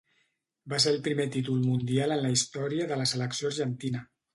Va ser el primer títol mundial en la història de la selecció argentina.